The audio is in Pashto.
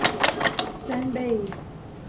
لنډۍ